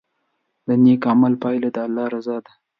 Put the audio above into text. د نیک عمل پایله د الله رضا ده.